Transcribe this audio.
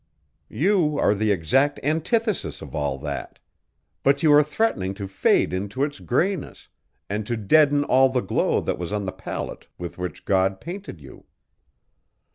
"You are the exact antithesis of all that, but you are threatening to fade into its grayness and to deaden all the glow that was on the palette with which God painted you."